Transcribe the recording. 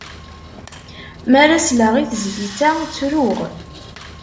Mi ara sleɣ i tezlit-a, ttruɣ.